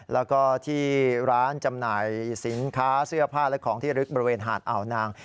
แล้วก็ที่ร้านจำหน่ายสินค้าเสื้อผ้าและของที่ลึกบริเวณหาดอ่าวนาง